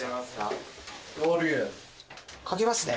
掛けますね。